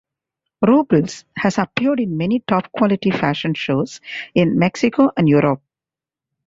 Robles has appeared in many top quality fashion shows in Mexico and Europe.